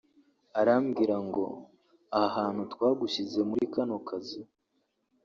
arambwira ngo ‘aha hantu twagushyize muri kano kazu